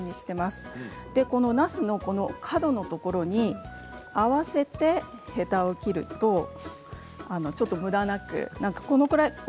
なすの角のところに合わせてヘタを切ると、むだなく。